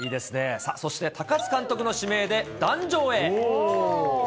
さあそして、高津監督の指名で壇上へ。